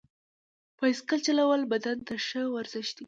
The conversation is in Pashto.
بایسکل چلول بدن ته ښه ورزش دی.